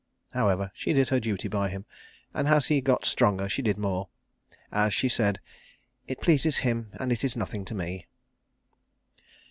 However, she did her duty by him, and as he got stronger she did more. As she said, "It pleases him, and is nothing to me."